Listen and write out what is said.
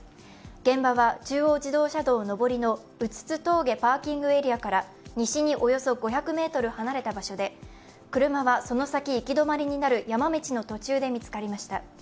現場は中央自動車道上りの内津峠パーキングエリアから西におよそ５００ｍ離れた場所で車はその先行き止まりになる山道の途中で見つかりました。